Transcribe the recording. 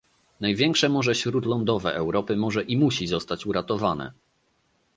Największe morze śródlądowe Europy może i musi zostać uratowane